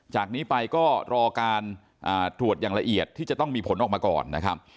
จากนี้ไปก็รอการตรวจอย่างละเอียดที่จะต้องมีผลออกมาก่อนนะครับ